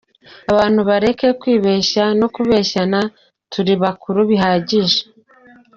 Abantu bareke kwibeshya no kubeshyana turi bakuru bihagije.